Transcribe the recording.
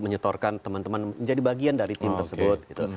menyetorkan teman teman menjadi bagian dari tim tersebut